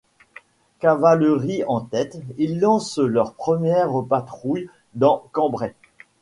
Cavalerie en tête, ils lancent leurs premières patrouilles dans Cambrai.